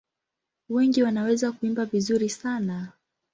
Wengi wanaweza kuimba vizuri sana.